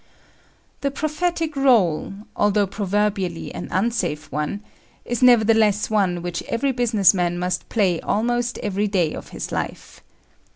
The prophetic rôle although proverbially an unsafe one is nevertheless one which every business man must play almost every day of his life.